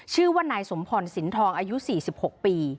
ชื่อว่านายสมพรสินทองอายุ๔๖ปี